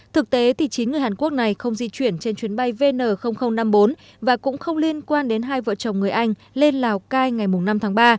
thực tế chín người hàn quốc này không di chuyển trên chuyến bay vn năm mươi bốn và cũng không liên quan đến hai vợ chồng người anh lên lào cai ngày năm tháng ba